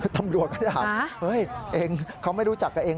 ตำรวจก็ถามเฮ้ยเองเขาไม่รู้จักกันเอง